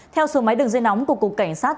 theo số máy đường dây nóng của cục cảnh sát